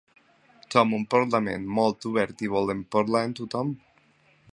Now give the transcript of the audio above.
Som un parlament molt obert i volem parlar amb tothom.